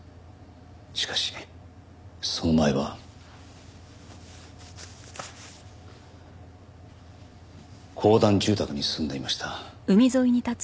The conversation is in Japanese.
しかしその前は公団住宅に住んでいました。